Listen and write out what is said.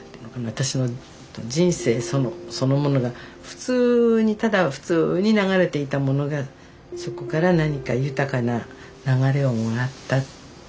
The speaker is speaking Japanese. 私の人生そのものが普通にただ普通に流れていたものがそこから何か豊かな流れをもらったっていう感じですかね。